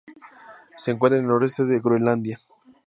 Se encuentra en el noreste de Groenlandia.